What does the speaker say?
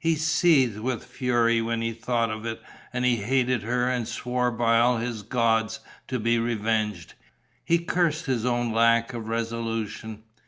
He seethed with fury when he thought of it and he hated her and swore by all his gods to be revenged. He cursed his own lack of resolution.